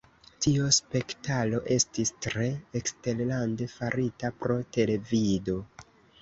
Tio spektalo estis tre eksterlande farita pro televido.